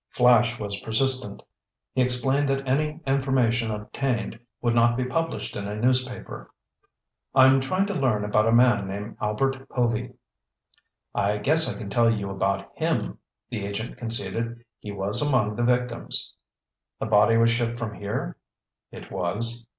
Flash was persistent. He explained that any information obtained would not be published in a newspaper. "I'm trying to learn about a man named Albert Povy." "I guess I can tell you about him," the agent conceded. "He was among the victims." "The body was shipped from here?" "It was."